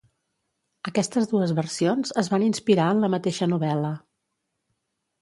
Aquestes dues versions es van inspirar en la mateixa novel·la.